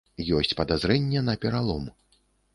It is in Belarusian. Ёсць падазрэнне на пералом.